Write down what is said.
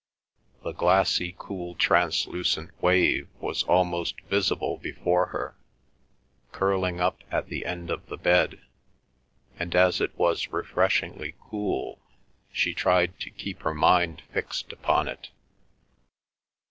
The glassy, cool, translucent wave was almost visible before her, curling up at the end of the bed, and as it was refreshingly cool she tried to keep her mind fixed upon it.